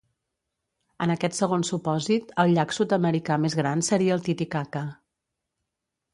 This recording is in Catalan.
En aquest segon supòsit, el llac sud-americà més gran seria el Titicaca.